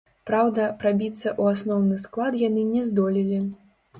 Праўда, прабіцца ў асноўны склад яны не здолелі.